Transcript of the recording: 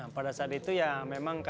pada saat itu ya